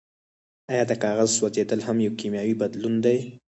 ایا د کاغذ سوځیدل هم یو کیمیاوي بدلون دی